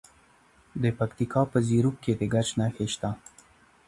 د پکتیکا په زیروک کې د ګچ نښې شته.